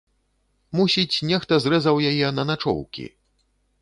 Мусіць, нехта зрэзаў яе на начоўкі.